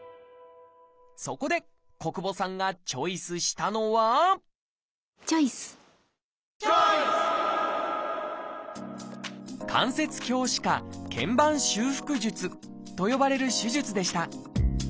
そこで小久保さんがチョイスしたのはチョイス！と呼ばれる手術でした。